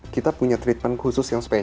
kita punya treatment khusus yang spesial